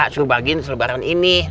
suruh bagiin selbaran ini